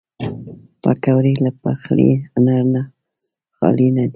پکورې له پخلي هنر نه خالي نه دي